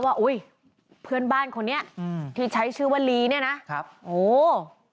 อุ้ยเพื่อนบ้านคนนี้อืมที่ใช้ชื่อว่าลีเนี่ยนะครับโอ้